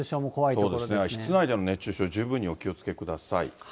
そうですね、室内での熱中症、十分にお気をつけください。